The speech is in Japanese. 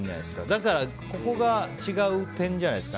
だからここが違う点じゃないですか。